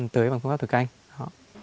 tới bằng phương pháp thủy canh